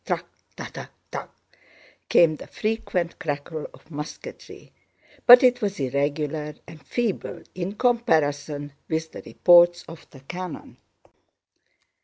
"Trakh ta ta takh!" came the frequent crackle of musketry, but it was irregular and feeble in comparison with the reports of the cannon.